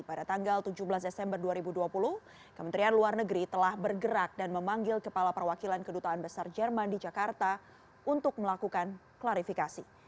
pada tanggal tujuh belas desember dua ribu dua puluh kementerian luar negeri telah bergerak dan memanggil kepala perwakilan kedutaan besar jerman di jakarta untuk melakukan klarifikasi